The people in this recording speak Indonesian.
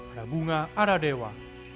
ada bunga ada dewa